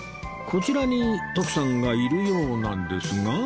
こちらに徳さんがいるようなんですが